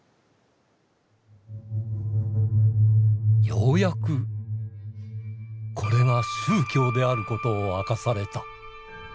ようやくこれが宗教であることを明かされた。